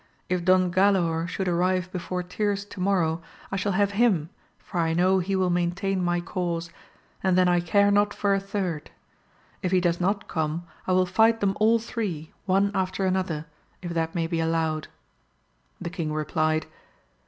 If Don Galaor should arrive before tierce to morrow, I shall have him, for I know he will maintain my cause, and then I care not for a third ; if he does not come, I will fight them all three, one after another, if that may be allowed. The king replied.